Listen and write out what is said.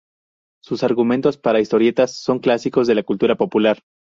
Sus argumentos para historietas son clásicos de la cultura popular".